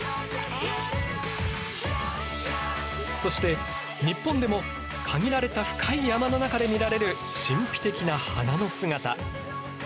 そして日本でも限られた深い山の中で見られる神秘的な花の姿。